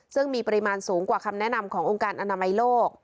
ซึ่งมีปริมาณสูงกว่าคำแนะนำขององค์การอนามัยโลก